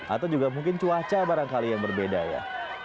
atau juga mungkin cuaca barangkali yang berbeda ya